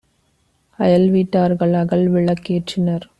அயல்வீட் டார்கள் அகல்விளக் கேற்றினார்.